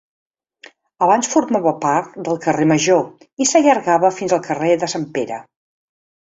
Abans formava part del Carrer Major i s'allargava fins al carrer de Sant Pere.